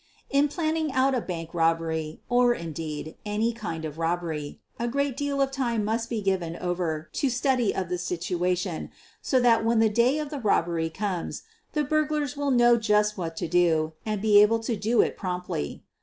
In planning out a bank robbery, or, indeed, any kind of robbery, a great deal of time must be given over to study of the situation so that when the day of the robbery comes the burglars will know just what to do and be able to do it promptly.